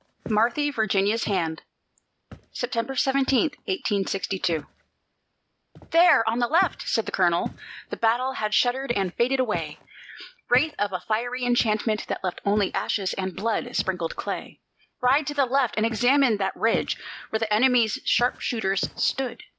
MARTHY VIRGINIA'S HAND [September 17, 1862] "There, on the left!" said the colonel; the battle had shuddered and faded away, Wraith of a fiery enchantment that left only ashes and blood sprinkled clay "Ride to the left and examine that ridge, where the enemy's sharpshooters stood.